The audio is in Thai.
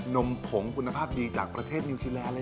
นมผงคุณภาพดีจากประเทศนิวซีแลนดเลย